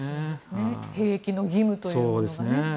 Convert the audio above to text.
兵役の義務というのが。